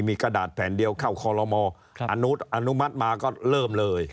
มีกระดาษแผ่นเดียวเข้าคอลโลมออนุมัติมาก็เริ่มเลย